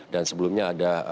dan sebelumnya ada